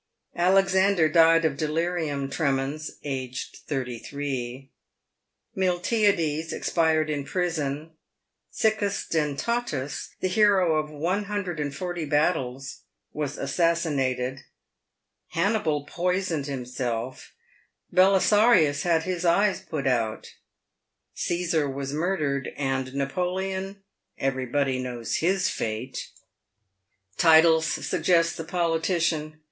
Alexander died of delirium tremens, aged thirty three ; Miltiades expired in prison ; Siccius Dentatus, the hero of one hundred and forty battles, was assassinated ; Hannibal poisoned himself; Belisarius had his eyes put out ; Caesar was mur dered ; and Napoleon — everybody knows his fate. " Titles," suggests the politician.